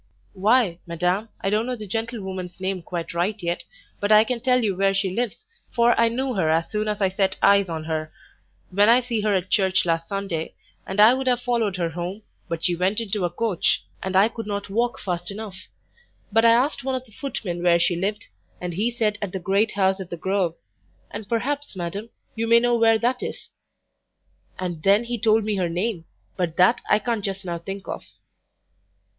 "Why, madam, I don't know the gentlewoman's name quite right yet, but I can tell you where she lives, for I knew her as soon as I set eyes on her, when I see her at church last Sunday, and I would have followed her home, but she went into a coach, and I could not walk fast enough; but I asked one of the footmen where she lived, and he said at the great house at the Grove: and perhaps, madam, you may know where that is: and then he told me her name, but that I can't just now think of."